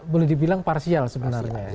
boleh dibilang parsial sebenarnya ya